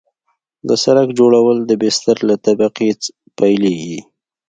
د سرک جوړول د بستر له طبقې پیلیږي